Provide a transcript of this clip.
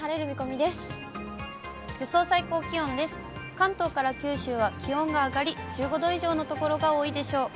関東から九州は気温が上がり、１５度以上の所が多いでしょう。